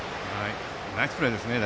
ナイスプレーですね。